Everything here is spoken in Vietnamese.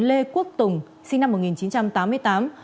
lê quốc tùng sinh năm một nghìn chín trăm tám mươi tám